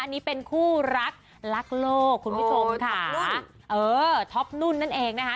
อันนี้เป็นคู่รักรักโลกคุณผู้ชมค่ะเออท็อปนุ่นนั่นเองนะคะ